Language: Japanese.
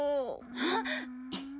あっ！